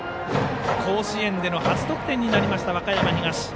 甲子園での初得点になりました和歌山東。